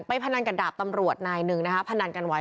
พนันกับดาบตำรวจนายหนึ่งนะคะพนันกันไว้